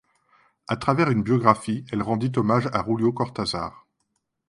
À travers une biographie, elle rendit hommage à Julio Cortázar.